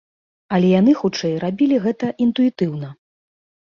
Але яны, хутчэй, рабілі гэта інтуітыўна.